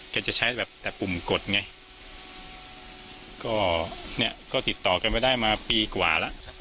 จะใช้แบบแต่ปุ่มกดไงก็เนี่ยก็ติดต่อกันไม่ได้มาปีกว่าแล้วครับ